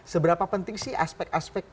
seberapa penting sih aspek aspek